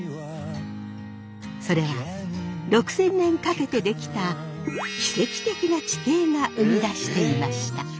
それは６，０００年かけて出来た奇跡的な地形が生み出していました。